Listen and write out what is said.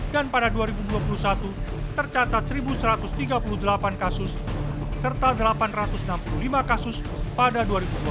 dan pada dua ribu dua puluh satu tercatat satu satu ratus tiga puluh delapan kasus serta delapan ratus enam puluh lima kasus pada dua ribu dua puluh dua